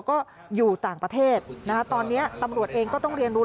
ก็อยู่ต่างประเทศนะคะตอนนี้ตำรวจเองก็ต้องเรียนรู้